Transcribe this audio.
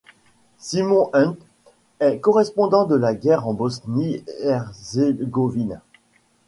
Simon Hunt est correspondant de guerre en Bosnie-Herzégovine.